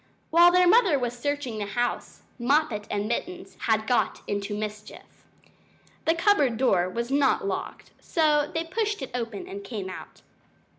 While their mother was searching the house, Moppet and Mittens had got into mischief. The cupboard door was not locked, so they pushed it open and came out.